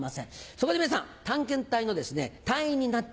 そこで皆さん探検隊の隊員になって